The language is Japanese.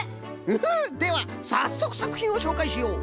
フフッではさっそくさくひんをしょうかいしよう。